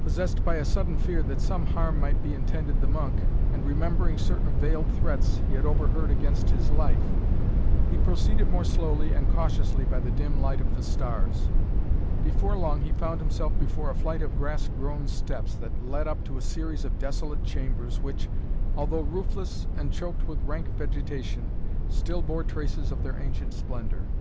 Possessed by a sudden fear that some harm might be intended the monk and remembering certain veiled threats he had overheard against his life, he proceeded more slowly and cautiously by the dim light of the stars. Before long he found himself before a flight of grass grown steps that led up to a series of desolate chambers which, although roofless and choked with rank vegetation, still bore traces of their ancient splendor.